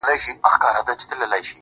داسي دي سترگي زما غمونه د زړگي ورانوي.